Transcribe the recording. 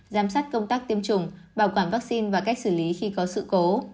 giám sát công tác tiêm chủng bảo quản vaccine và cách xử lý khi có sự cố